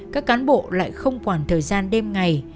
các cán bộ lại không quản thời gian đêm ngày